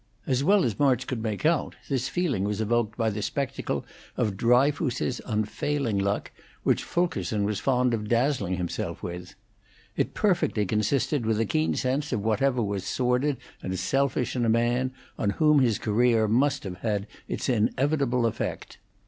As well as March could make out, this feeling was evoked by the spectacle of Dryfoos's unfailing luck, which Fulkerson was fond of dazzling himself with. It perfectly consisted with a keen sense of whatever was sordid and selfish in a man on whom his career must have had its inevitable effect.